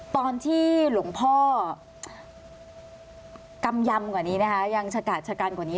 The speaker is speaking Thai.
ตอนที่หลวงพ่อกำยำกว่านี้นะคะยังชะกาดชะกันกว่านี้